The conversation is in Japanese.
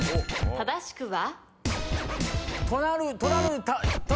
正しくは？